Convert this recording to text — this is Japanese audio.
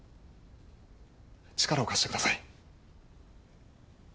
力を貸してください。